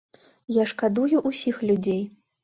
Я шкадую ўсіх людзей.